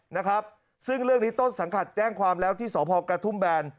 นะครับซึ่งเรื่องนี้ต้นสังกัดแจ้งความแล้วที่สพกระทุ่มแบน